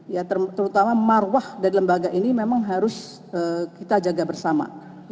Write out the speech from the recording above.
ya terutama marwah dari lembaga ini memang harus kita jaga bersama